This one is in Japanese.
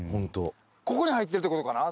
ここに入ってるってことかな？